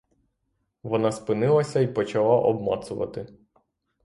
Вона спинилася й почала обмацувати.